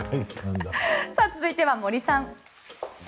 続いては森さん。